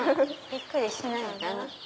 びっくりしないかな？